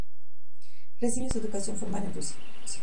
Recibió cuatro años de educación formal en Rusia.